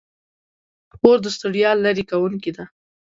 خور د ستړیا لیرې کوونکې ده.